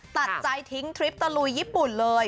ตัดใจทิ้งทริปตะลุยญี่ปุ่นเลย